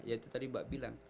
ya itu tadi mbak bilang